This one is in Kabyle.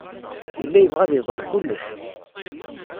Yella yebɣa ad iẓer kullec.